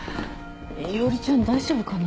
伊織ちゃん大丈夫かな？